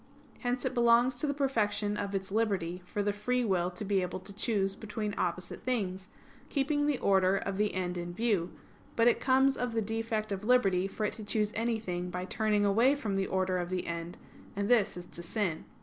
Hence it belongs to the perfection of its liberty for the free will to be able to choose between opposite things, keeping the order of the end in view; but it comes of the defect of liberty for it to choose anything by turning away from the order of the end; and this is to sin.